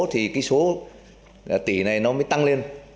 thì cái số tỷ này nó mới tăng lên